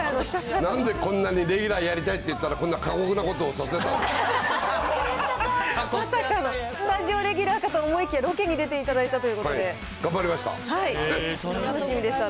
なんでこんなにレギュラーやりたいって言ったら、こんな過酷まさかの、スタジオレギュラーかと思いきや、ロケに出ていただいたというこ頑張りました。